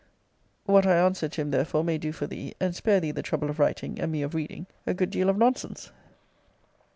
What I answered to him therefore may do for thee, and spare thee the trouble of writing, and me of reading, a good deal of nonsense.